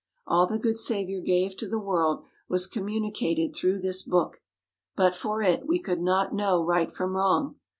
All the good Saviour gave to the World was communicated through this book. But for it, we could not know right from wrong.